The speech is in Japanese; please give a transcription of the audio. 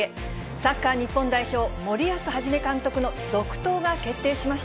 サッカー日本代表、森保一監督の続投が決定しました。